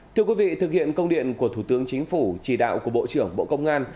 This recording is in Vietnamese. thưa quý vị thực hiện công điện của thủ tướng chính phủ chỉ đạo của bộ trưởng bộ công an